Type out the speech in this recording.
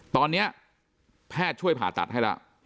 ตอนนี้แพทย์ช่วยผ่าตัดให้แล้ว